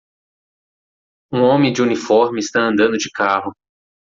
Um homem de uniforme está andando de carro.